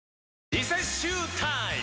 リセッシュータイム！